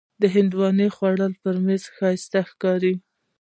هندوانه د خوړو پر میز ښایسته ښکاري.